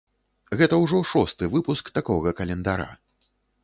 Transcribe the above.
Гэта ўжо шосты выпуск такога календара.